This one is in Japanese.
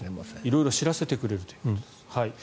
色々知らせてくれるということです。